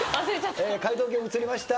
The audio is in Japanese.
解答権移りました。